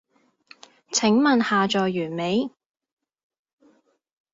請問下載完未？